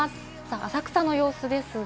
浅草の様子ですが。